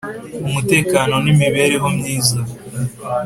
umutekano n imibereho myiza